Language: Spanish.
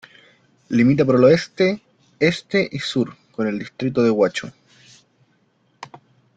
Limita por el oeste, este y sur con el distrito de Huacho.